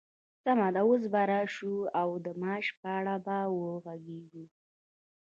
سمه ده، اوس به راشو د معاش په اړه به وغږيږو!